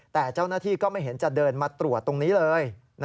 แต่เจ้าหน้าที่ก็ไม่เห็นจะเดินมาตรวจตรงนี้เลย